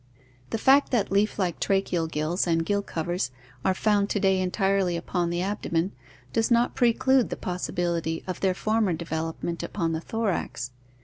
The fact that leaf like tracheal gills and gill covers are found to day entirely upon the abdomen does not preclude the possibility of their former development upon the thorax.